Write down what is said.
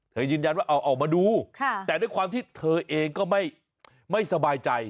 ยืนยันว่าเอาออกมาดูแต่ด้วยความที่เธอเองก็ไม่สบายใจ